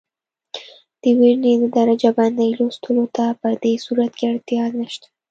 د ورنیې د درجه بندۍ لوستلو ته په دې صورت کې اړتیا نه شته.